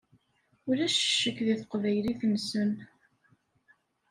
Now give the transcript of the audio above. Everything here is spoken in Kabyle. Ulac ccek deg teqbaylit-nsen.